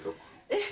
えっ？